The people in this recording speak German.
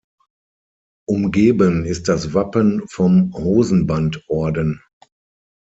Umgeben ist das Wappen vom Hosenbandorden.